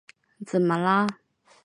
怎么了？